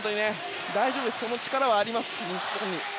大丈夫です、その力はあります日本に。